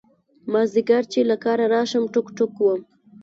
مازدیگر چې له کاره راشم ټوک ټوک وم.